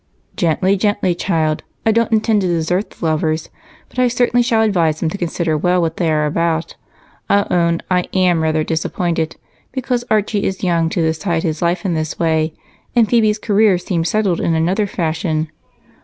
"Gently, gently, child. I don't intend to desert the lovers, but I certainly shall advise them to consider well what they are about. I'll own I am rather disappointed, because Archie is young to decide his life in this way and Phebe's career seemed settled in another fashion.